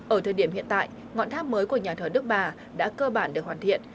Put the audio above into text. ở thời điểm hiện tại ngọn tháp mới của nhà thờ đức bà đã cơ bản được hoàn thiện